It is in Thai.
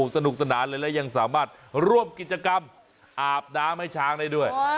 สนุกสนานเลยและยังสามารถร่วมกิจกรรมอาบน้ำให้ช้างได้ด้วย